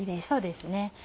そうですね。